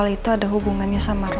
kalau al itu ada hubungannya sama roy